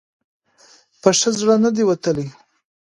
په ښه زړه نه دی وتلی.